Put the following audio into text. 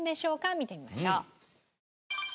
見てみましょう。